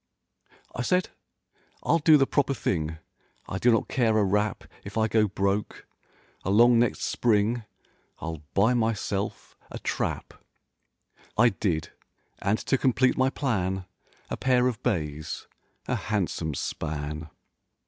I said ril do the proper thing— I do not care a rap If I go broke—along next spring ril buy myself a trap— I did, and to complete my plan— A pair of bays—a handsome span.